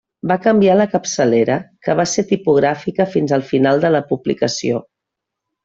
Va canviar la capçalera, que va ser tipogràfica fins al final de la publicació.